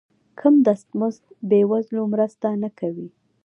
کم دست مزد بې وزلو مرسته نه کوي.